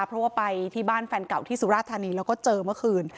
เพราะว่าไปที่บ้านแฟนเก่าที่สุราธานีแล้วก็เจอเมื่อคืน